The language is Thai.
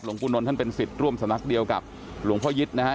หลวงปู่นนท์ท่านเป็นศิษย์ร่วมสำนักเดียวกับหลวงพ่อยิทธ์นะฮะ